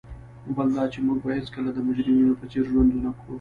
بل دا چي موږ به هیڅکله د مجرمینو په څېر ژوند ونه کړو.